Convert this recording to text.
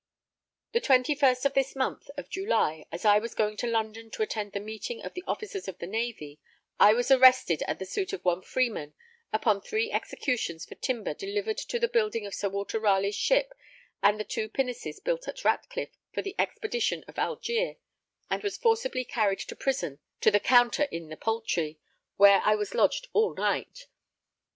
The 21st of this month of July, as I was going in London to attend the meeting of the Officers of the Navy, I was arrested at the suit of one Freeman, upon 3 executions for timber delivered to the building of Sir Walter Ralegh's ship and the two pinnaces built at Ratcliff for the expedition of Algier, and was forcibly carried to prison to the Counter in the Poultry, where I was lodged all night.